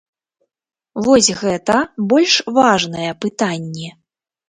Вось гэта больш важныя пытанні.